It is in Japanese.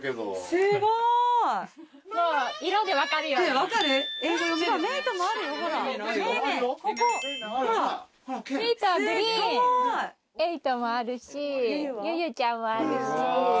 すごい！えいともあるしゆゆちゃんもあるし。